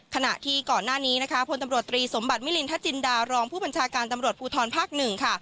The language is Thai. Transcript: ขณะที่ก่อนหน้านี้พตรตรีสมบัติมิลินทัชจินดารองผู้บัญชาการตำรวจภูทรภักดิ์๑